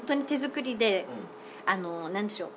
あの何でしょう。